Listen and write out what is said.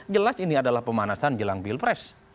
jelas ini adalah pemanasan jelang pilpres